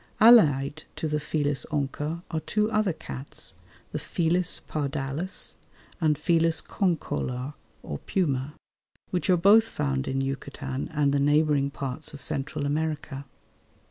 Allied to the Felis onca are two other "cats," the Felis pardalis and Felis concolor or puma, which are both found in Yucatan and the neighbouring parts of Central America.